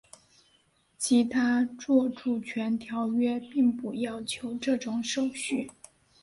其他着作权条约并不要求这种手续。